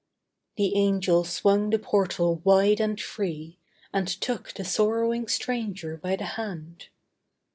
The Angel swung the portal wide and free, And took the sorrowing stranger by the hand.